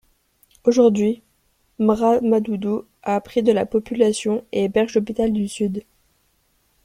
Aujourd'hui, M'ramadoudou a pris de la population et héberge l'hôpital du sud.